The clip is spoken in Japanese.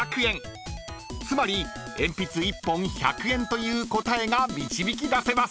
［つまり鉛筆１本「１００円」という答えが導き出せます］